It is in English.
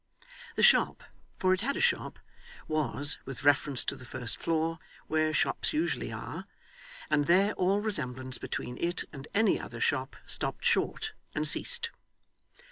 The shop for it had a shop was, with reference to the first floor, where shops usually are; and there all resemblance between it and any other shop stopped short and ceased.